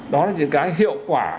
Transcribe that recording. đó là những cái hiệu quả